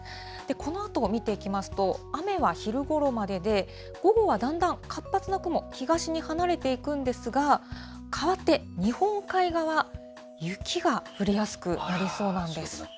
このあと見ていきますと、雨は昼ごろまでで、午後はだんだん活発な雲、東に離れていくんですが、かわって日本海側、雪が降りやすくなりそうなんです。